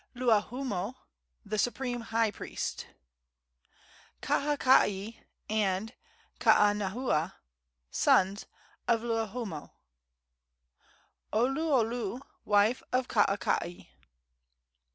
Luahoomoe, the supreme high priest. Kaakakai and Kaanahua, sons of Luahoomoe. Oluolu, wife of Kaakakai.